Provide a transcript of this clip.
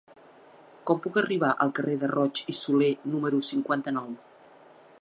Com puc arribar al carrer de Roig i Solé número cinquanta-nou?